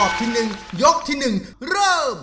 รอบที่หนึ่งยกที่หนึ่งเริ่ม